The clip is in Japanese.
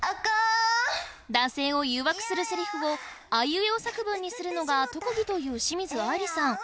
男性を誘惑するセリフをあいうえお作文にするのが特技という清水あいりさん